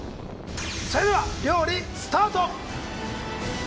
それでは料理スタート